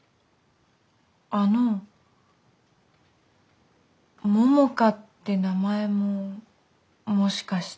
あのももかって名前ももしかして。